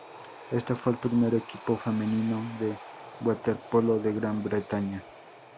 Este fue el primer equipo femenino de waterpolo de Gran Bretaña.